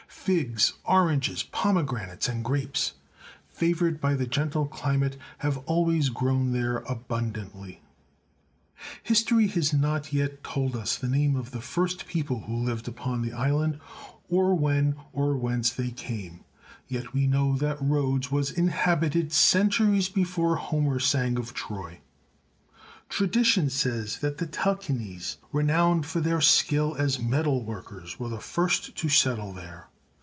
Figs, oranges, pomegranates, and grapes, favoured by the gentle climate, have always grown there abundantly. History has not yet told us the name of the first people who lived upon the island, or when or whence they came, yet we know that Rhodes was inhabited centuries before Homer sang of Troy. THE COLOSSUS OF RHODES 157 Tradition says that the Telchines, renowned for their skill as metal workers, were the first to settle there.